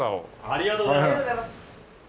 ありがとうございます！